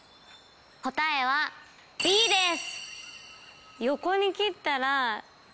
答えはＢです。